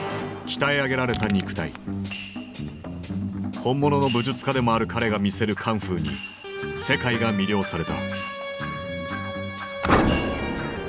本物の武術家でもある彼が見せるカンフーに世界が魅了された。